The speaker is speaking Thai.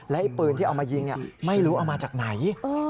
ไอ้ปืนที่เอามายิงไม่รู้เอามาจากไหน